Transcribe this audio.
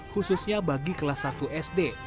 khususnya bagi kelas satu sd